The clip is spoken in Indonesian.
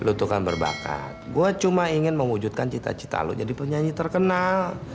lo tuh kan berbakat gue cuma ingin mewujudkan cita cita lo jadi penyanyi terkenal